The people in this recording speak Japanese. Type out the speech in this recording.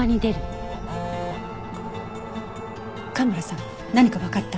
蒲原さん何かわかった？